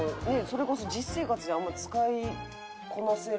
それこそ実生活じゃあんまり使いこなせ。